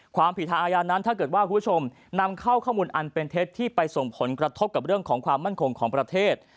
ความผิดทางอาญานั้นถ้าเกิดว่าคุณผู้ชมนำเข้าข้อมูลอันเป็นเท็จที่ไปส่งผลกระทบกับเรื่องของความมั่นคงของประเทศ